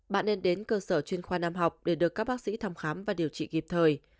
bạn nên đến cơ sở chuyên khoa nam học để được các bác sĩ thăm khám và điều trị kịp thời